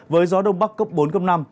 với gió đông bắc cấp bốn cấp năm